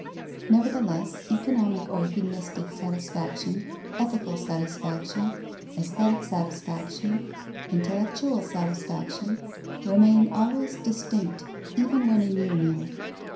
Nevertheless, economic or hedonistic satisfaction, ethical satisfaction, aesthetic satisfaction, intellectual satisfaction, remain always distinct, even when in union.